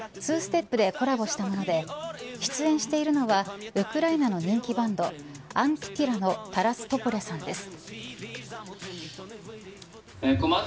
２ｓｔｅｐでコラボしたもので出演しているのはウクライナの人気バンドアンティティラのタラス・トポリャさんです。